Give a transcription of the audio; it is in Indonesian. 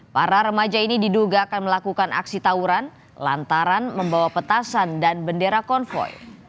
para remaja ini diduga akan melakukan aksi tawuran lantaran membawa petasan dan bendera konvoy